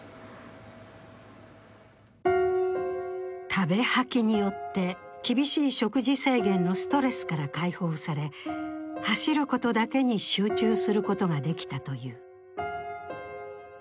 食べ吐きによって厳しい食事制限のストレスから解放され、走ることだけに集中することができたという。